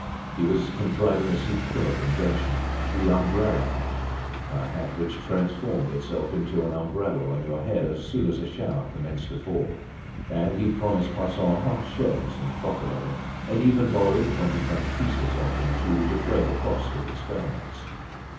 He was contriving a superb invention—the umbrella hat, a hat which transformed itself into an umbrella on your head as soon as a shower commenced to fall; and he promised Poisson half shares in the profit of it, and even borrowed twenty franc pieces of him to defray the cost of experiments.